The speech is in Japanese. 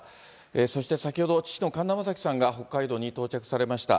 そして先ほど、父の神田正輝さんが、北海道に到着されました。